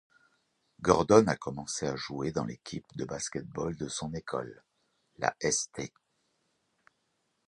Gordon a commencé à jouer dans l'équipe de basket-ball de son école, la St.